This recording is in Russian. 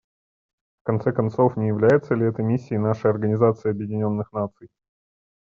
В конце концов, не является ли это миссией нашей Организации Объединенных Наций?